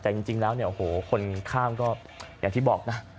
แต่จริงแล้วคนข้ามก็อย่างที่บอกนะ